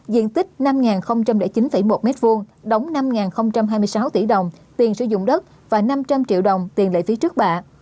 diện tích năm chín một m hai đóng năm hai mươi sáu tỷ đồng tiền sử dụng đất và năm trăm linh triệu đồng tiền lệ phí trước bạ